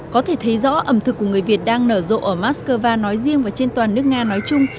có thể thấy rõ ẩm thực của người việt đang nở rộ ở mắc cơ va nói riêng và trên toàn nước nga nói chung